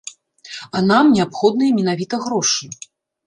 А нам неабходныя менавіта грошы.